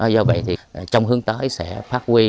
do vậy thì trong hướng tới sẽ phát huy